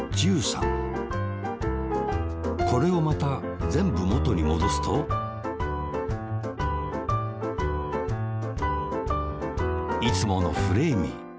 これをまたぜんぶもとにもどすといつものフレーミー。